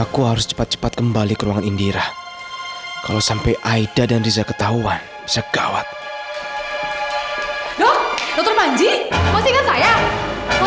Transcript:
karena dokternya belum ada di dalam oma